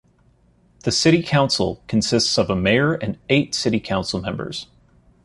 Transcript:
The city council consists of a mayor and eight city council members.